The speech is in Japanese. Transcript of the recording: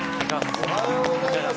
おはようございます。